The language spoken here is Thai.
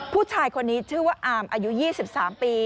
ผู้ชายคนนี้ชื่อว่าอามอายุ๒๓ปี